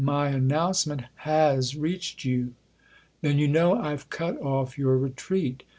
" My announcement has reached you ? Then you know I've cut off your retreat."